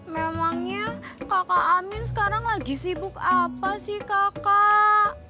memangnya kakak amin sekarang lagi sibuk apa sih kakak